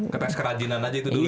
ketek kerajinan aja itu dulu ya